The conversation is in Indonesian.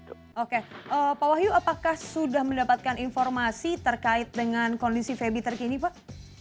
oke pak wahyu apakah sudah mendapatkan informasi terkait dengan kondisi febi terkini pak